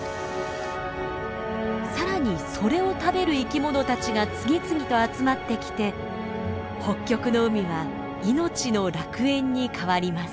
更にそれを食べる生きものたちが次々と集まってきて北極の海は命の楽園に変わります。